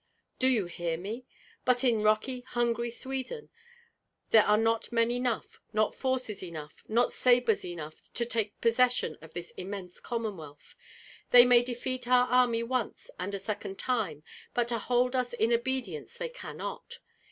Do you hear me? But in rocky, hungry Sweden there are not men enough, not forces enough, not sabres enough to take possession of this immense Commonwealth. They may defeat our army once and a second time; but to hold us in obedience they cannot.